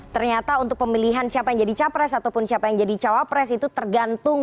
ternyata untuk pemilihan siapa yang jadi capres ataupun siapa yang jadi cawapres itu tergantung